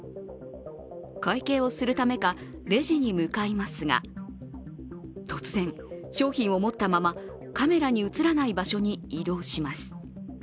会計をするためかレジに向かいますが突然、商品を持ったまま、カメラの映らない場所に移動します。